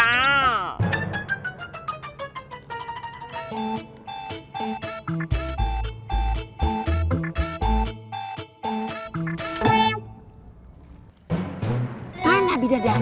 bidari bidadari syurga ana